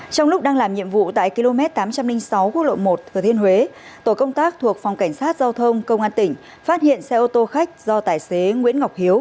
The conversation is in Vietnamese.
trong lúc đang làm nhiệm vụ tại km tám trăm linh sáu quốc lộ một thừa thiên huế tổ công tác thuộc phòng cảnh sát giao thông công an tỉnh phát hiện xe ô tô khách do tài xế nguyễn ngọc hiếu